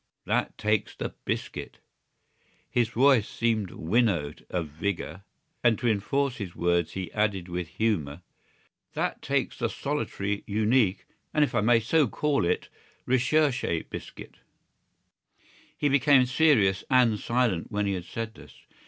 That takes the biscuit!" His voice seemed winnowed of vigour; and to enforce his words he added with humour: "That takes the solitary, unique, and, if I may so call it, recherché biscuit!" He became serious and silent when he had said this.